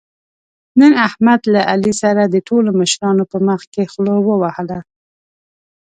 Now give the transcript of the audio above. نن احمد له علي سره د ټولو مشرانو په مخکې خوله ووهله.